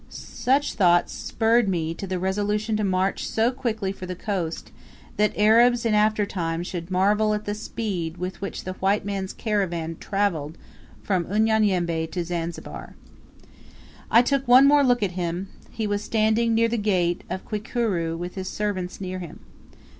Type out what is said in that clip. Such thoughts spurred me to the resolution to march so quickly for the coast, that Arabs in after time should marvel at the speed with which the white man's caravan travelled from Unyanyembe to Zanzibar. I took one more look at him; he was standing near the gate of Kwikuru with his servants near him.